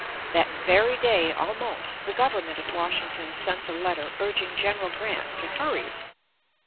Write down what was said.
That very day, almost, the government at Washington sent a letter urging General Grant to hurry.